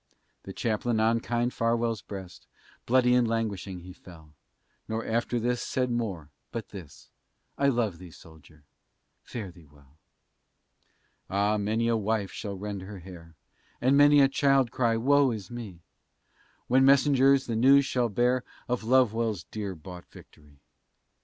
The Chaplain on kind Farwell's breast, Bloody and languishing he fell; Nor after this said more, but this, "I love thee, soldier, fare thee well." Ah! many a wife shall rend her hair, And many a child cry, "Wo is me!" When messengers the news shall bear, Of Lovewell's dear bought victory.